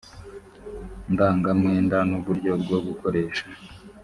ndangamwenda n uburyo bwo gukoresha